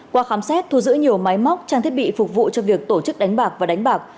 qua khám xét thu giữ nhiều máy móc trang thiết bị phục vụ cho việc tổ chức đánh bạc và đánh bạc